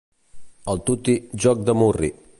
El tuti, joc de murri.